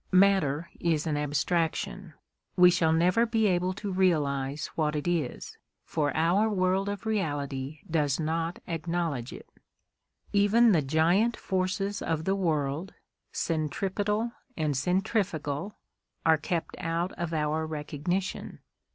Matter is an abstraction; we shall never be able to realise what it is, for our world of reality does not acknowledge it. Even the giant forces of the world, centripetal and centrifugal, are kept out of our recognition.